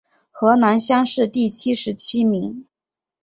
河南乡试第七十七名。